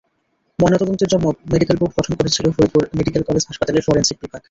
ময়নাতদন্তের জন্য medical board গঠন করেছিল ফরিদপুর মেডিকেল কলেজ হাসপাতালের ফরেনসিক বিভাগ।